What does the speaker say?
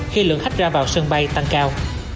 khi lượng khách ra vào sân bay tăng cao